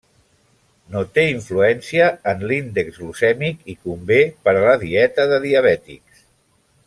No té influència en l'índex glucèmic i convé per a la dieta de diabètics.